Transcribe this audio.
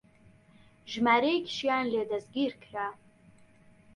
ژمارەیەکیشیان لێ دەستگیر کرا